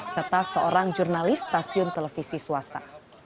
serta seorang jurnalis stasiun televisi swasta